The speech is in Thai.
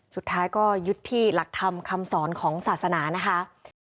สุดท้ายก็ยึดที่หลักธรรมคำสอนของศาสนานะคะ